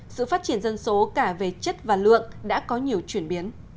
sự phát triển dân số cả về chất và lượng đã có nhiều chuyển biến